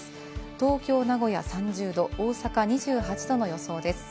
東京、名古屋３０度、大阪２８度の予想です。